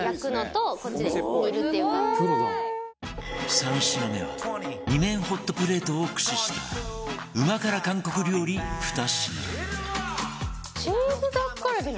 ３品目は２面ホットプレートを駆使したうま辛韓国料理２品